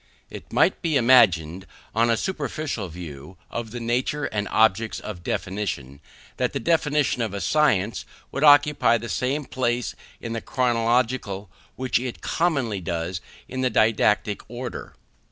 It might be imagined, on a superficial view of the nature and objects of definition, that the definition of a science would occupy the same place in the chronological which it commonly does in the didactic order.